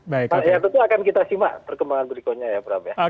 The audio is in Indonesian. karena tentu akan kita simak perkembangan politiknya ya pak rabe